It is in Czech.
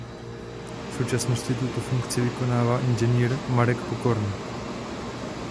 V současnosti tuto funkci vykonává ing. Marek Pokorný.